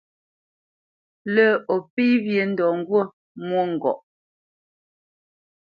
Lə́ o pé wyê ndɔ ŋgût mwôŋgɔʼ.